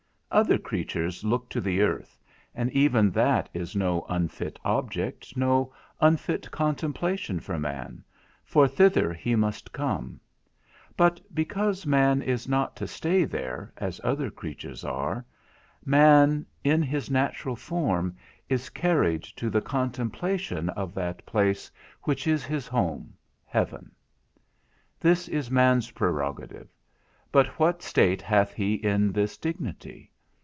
Other creatures look to the earth; and even that is no unfit object, no unfit contemplation for man, for thither he must come; but because man is not to stay there, as other creatures are, man in his natural form is carried to the contemplation of that place which is his home, heaven. This is man's prerogative; but what state hath he in this dignity?